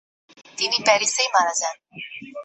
তিনি প্যারিসেই মারা যান।